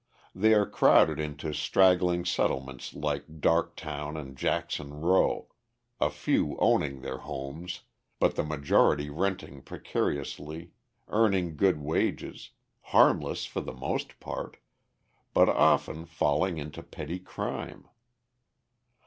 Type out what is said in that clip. They are crowded into straggling settlements like Darktown and Jackson Row, a few owning their homes, but the majority renting precariously, earning good wages, harmless for the most part, but often falling into petty crime.